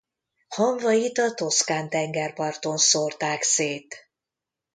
Hamvait a toszkán tengerparton szórták szét.